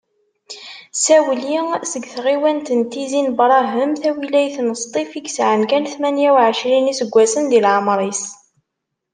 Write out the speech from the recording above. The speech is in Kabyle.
Sawli seg tɣiwant n Tizi n Brahem, tawilayt n Ṣṭif, i yesεan kan tmanya uɛecrin n yiseggasen di leεmeṛ-is.